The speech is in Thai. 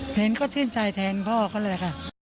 เห็นก็ชื่นใจแทนพ่อเขาเลยค่ะ